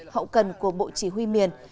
hậu cần của bộ chỉ huy miền